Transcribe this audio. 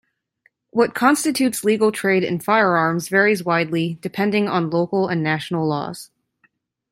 What constitutes legal trade in firearms varies widely, depending on local and national laws.